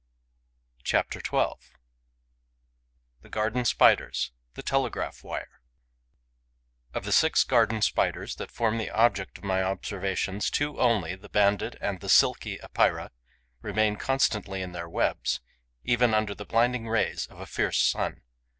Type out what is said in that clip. CHAPTER XII: THE GARDEN SPIDERS: THE TELEGRAPH WIRE Of the six Garden Spiders that form the object of my observations, two only, the Banded and the silky Epeira, remain constantly in their webs, even under the blinding rays of a fierce sun.